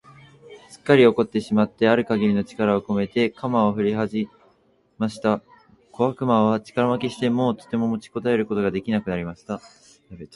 すっかり怒ってしまってある限りの力をこめて、鎌をふりはじました。小悪魔は力負けして、もうとても持ちこたえることが出来なくなりました。